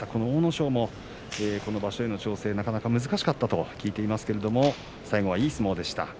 阿武咲もこの場所への調整がなかなか難しかったと聞いていますが最後はいい相撲でした。